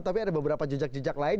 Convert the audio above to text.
tapi ada beberapa jejak jejak lain